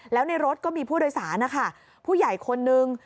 แล้วในรถก็มีผู้โดยสาผู้ใหญ่คนหนึ่ง